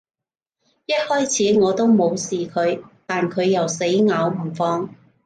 一開始，我都無視佢，但佢又死咬唔放